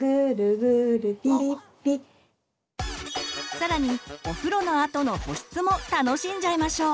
更にお風呂のあとの保湿も楽しんじゃいましょう！